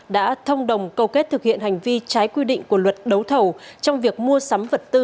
đã thông đồng câu kết thực hiện hành vi trái quy định của luật đấu thầu trong việc mua sắm vật tư